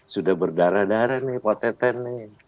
sudah berdarah darah nih pak teten nih